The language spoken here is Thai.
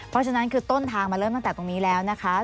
เพราะฉะนั้นคือต้นทางมันเริ่มตั้งแต่ตรงนี้แล้วนะคะ